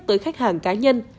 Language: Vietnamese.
tới khách hàng cá nhân